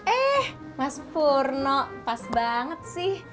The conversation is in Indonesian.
eh mas purno pas banget sih